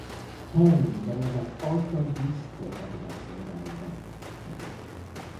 W pełni zamierzam osobiście oddać się realizacji tych celów